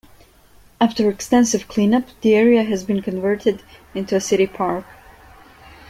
After extensive cleanup, the area has been converted into a city park.